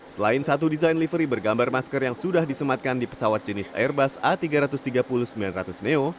selain satu desain livery bergambar masker yang sudah disematkan di pesawat jenis airbus a tiga ratus tiga puluh sembilan ratus neo